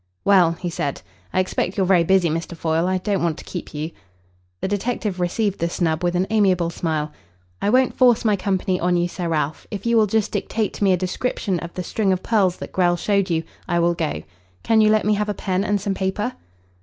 "Well," he said, "I expect you're very busy, Mr. Foyle. I don't want to keep you." The detective received the snub with an amiable smile. "I won't force my company on you, Sir Ralph. If you will just dictate to me a description of the string of pearls that Grell showed you, I will go. Can you let me have a pen and some paper?"